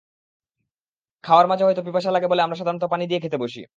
খাওয়ার মাঝে হয়তো পিপাসা লাগে বলে আমরা সাধারণত পানি নিয়ে খেতে বসি।